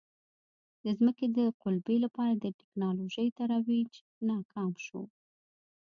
د ځمکې د قُلبې لپاره د ټکنالوژۍ ترویج ناکام شو.